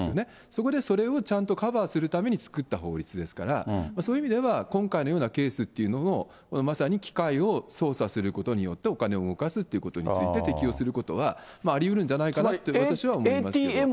そこで、それをちゃんとカバーするために作った法律ですから、そういう意味では、今回のようなケースというのも、まさに機械を操作することによって、お金を動かすということについて適用することはありうるんじゃな